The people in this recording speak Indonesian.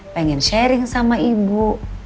pengen sharing sama ibu